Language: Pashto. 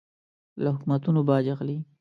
له حکومتونو باج اخلي.